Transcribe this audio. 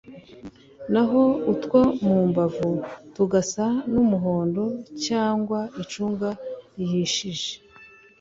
naho utwo mu mbavu tugasa n'umuhondo cyangwa icunga rihishije.